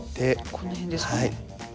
この辺ですか。